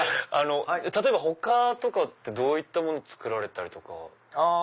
例えば他とかってどういったもの作られたりとか。